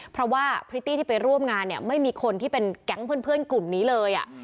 เพราะว่าพริตตี้ที่ไปร่วมงานเนี่ยไม่มีคนที่เป็นแก๊งเพื่อนกลุ่มนี้เลย